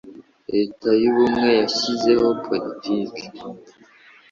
Leta y Ubumwe yashyizeho Politiki